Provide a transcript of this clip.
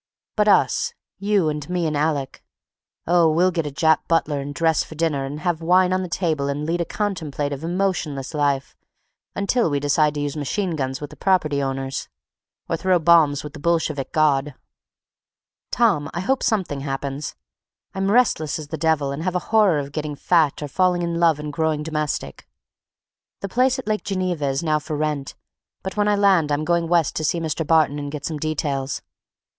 But us—you and me and Alec—oh, we'll get a Jap butler and dress for dinner and have wine on the table and lead a contemplative, emotionless life until we decide to use machine guns with the property owners—or throw bombs with the Bolshevik God! Tom, I hope something happens. I'm restless as the devil and have a horror of getting fat or falling in love and growing domestic. The place at Lake Geneva is now for rent but when I land I'm going West to see Mr. Barton and get some details.